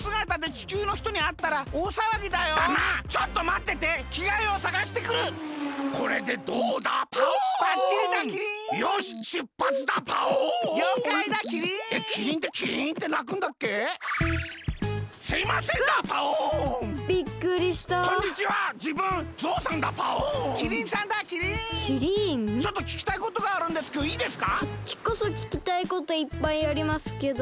こっちこそききたいこといっぱいありますけどまあおさきにどうぞ。